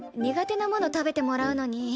苦手なもの食べてもらうのに。